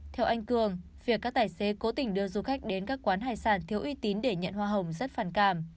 theo anh cường việc các tài xế cố tình đưa du khách đến các quán hải sản thiếu uy tín để nhận hoa hồng rất phản cảm